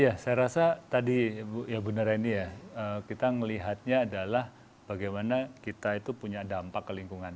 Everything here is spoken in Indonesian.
ya saya rasa tadi ibu nera ini ya kita melihatnya adalah bagaimana kita itu punya dampak kelingkungan